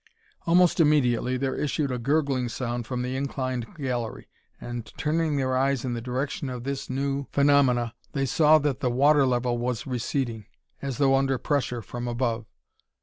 Almost immediately, there issued a gurgling sound from the inclined gallery, and turning their eyes in the direction of this new phenomena, they saw that the water level was receding, as though under pressure from above.